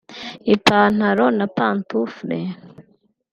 Ipantalo na pantufure (pantoufles)